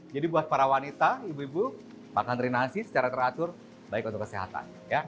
jadi buat para wanita ibu ibu makan teri nasi secara teratur baik untuk kesehatan